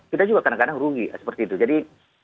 kita juga kadang kadang rugi seperti itu jadi